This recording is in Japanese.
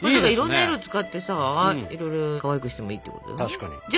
いろんな色を使ってさいろいろかわいくしてもいいってことよね。